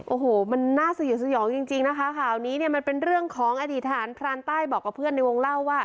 โอ้โหมันน่าสยดสยองจริงนะคะข่าวนี้เนี่ยมันเป็นเรื่องของอดีตทหารพรานใต้บอกกับเพื่อนในวงเล่าว่า